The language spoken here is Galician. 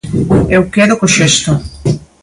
Eu quedo co xesto.